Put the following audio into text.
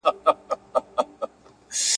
« اتفاق په پښتانه کي پیدا نه سو..